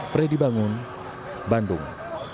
fredy bangun bandung